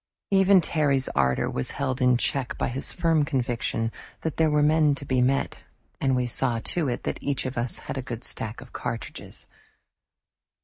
Even Terry's ardor was held in check by his firm conviction that there were men to be met, and we saw to it that each of us had a good stock of cartridges.